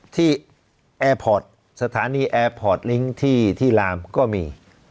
แอร์พอร์ตสถานีแอร์พอร์ตลิงค์ที่ลามก็มี